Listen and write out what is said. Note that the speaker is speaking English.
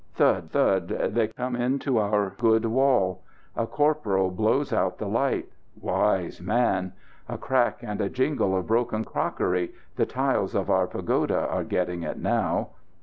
Thud! Thud! they come into our good wall. A corporal blows out the light; wise man! A crack and a jingle of broken crockery the tiles of our pagoda are getting it now.